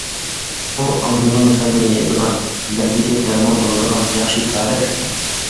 ئۇ ئاممىنىڭ غېمىنى يەيدىغان، دەردىگە دەرمان بولىدىغان ياخشى كادىر.